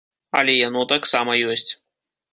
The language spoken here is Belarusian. Але яно таксама ёсць.